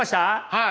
はい。